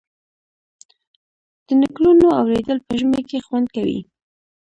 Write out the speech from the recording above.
د نکلونو اوریدل په ژمي کې خوند کوي.